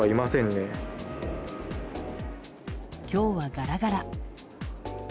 今日はガラガラ。